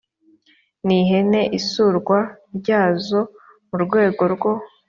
n ihene isurwa ryazo mu rwego rwo